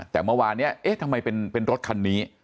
แต่เมื่อวานนี้เอ๊ะทำไมเป็นรถคันนี้